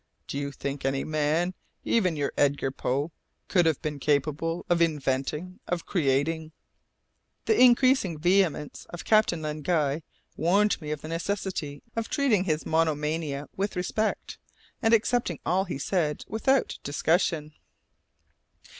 Do you think any man, even your Edgar Poe, could have been capable of inventing, of creating ?" The increasing vehemence of Captain Len Guy warned me of the necessity of treating his monomania with respect, and accepting all he said without discussion.